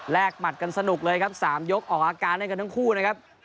หมัดกันสนุกเลยครับ๓ยกออกอาการด้วยกันทั้งคู่นะครับ